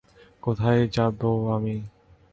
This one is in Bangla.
কোথায় যাবো আমি?